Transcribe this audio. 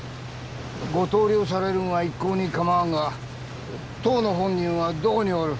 ご逗留されるのは一向に構わんが当の本人はどこにおる？